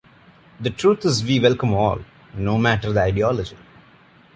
The truth is we welcome all, no matter the ideology.